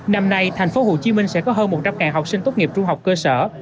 năm nay thành phố hồ chí minh sẽ có hơn một trăm linh học sinh tốt nghiệp trung học cơ sở